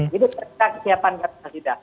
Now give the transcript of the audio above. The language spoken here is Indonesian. jadi kita siapkan